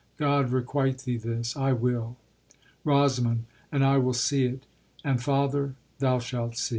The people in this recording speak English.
God requite thee this! I will. [Exit. ROSAMUND. And I will see it. And, father, thou shalt see.